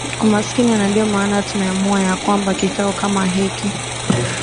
umaskini na ndiyo maana tumeamua ya kwamba kikao kama hiki